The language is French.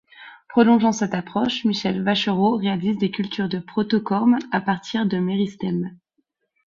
Prolongeant cette approche, Michel Vacherot réalise des cultures de protocorme à partir de méristèmes.